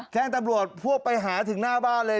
แจ้งตำรวจพวกไปหาถึงหน้าบ้านเลย